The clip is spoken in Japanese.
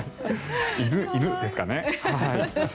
犬ですかね。